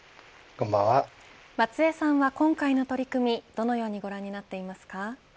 松江さんは今回の取り組みどのようにご覧になっていますか。